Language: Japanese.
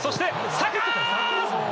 サカ！